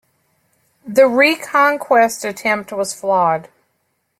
The reconquest attempt was flawed.